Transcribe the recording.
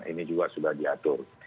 ini juga sudah diatur